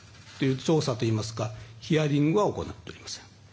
調査といいますかヒアリングは行っておりません。